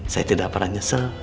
saya tidak pernah nyesel